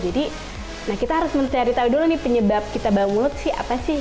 jadi kita harus mencari tahu dulu penyebab kita bau mulut apa sih